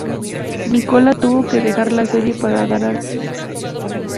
Nicola tuvo que dejar la serie para dar a luz a su primer hijo.